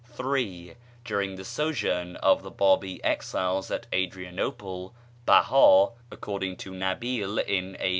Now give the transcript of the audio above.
(3) During the sojourn of the Bábí exiles at Adrianople, Behá (according to Nabíl in A.